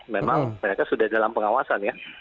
memang mereka sudah dalam pengawasan ya